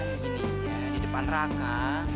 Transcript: mungkin gini ya di depan raka